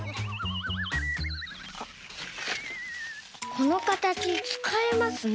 このかたちつかえますね。